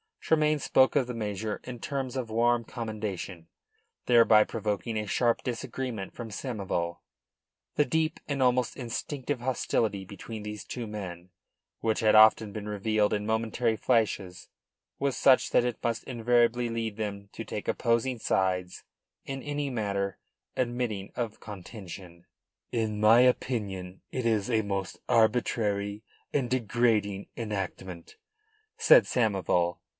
Tremayne spoke of the measure in terms of warm commendation, thereby provoking a sharp disagreement from Samoval. The deep and almost instinctive hostility between these two men, which had often been revealed in momentary flashes, was such that it must invariably lead them to take opposing sides in any matter admitting of contention. "In my opinion it is a most arbitrary and degrading enactment," said Samoval.